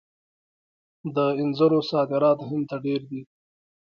د انځرو صادرات هند ته ډیر دي.